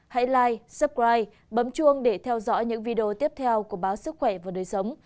hãy like subscribe bấm chuông để theo dõi những video tiếp theo của báo sức khỏe và đời sống